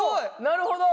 なるほど！